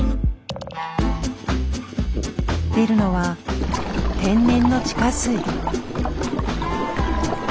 出るのは天然の地下水。